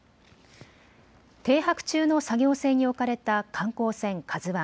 停泊中の作業船に置かれた観光船、ＫＡＺＵＩ。